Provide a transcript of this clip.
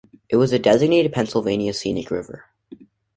It is a designated Pennsylvania Scenic River.